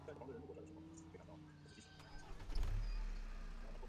委员会成员包括其它退休的通商产业省官僚以及其它的商业巨头。